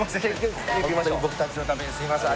僕たちのためにすみません。